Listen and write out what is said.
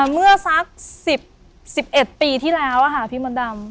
เมื่อสัก๑๑ปีที่แล้วค่ะพี่มดดำ